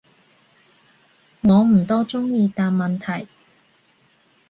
我唔多中意答問題